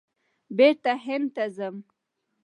بېرته هند ته ځم !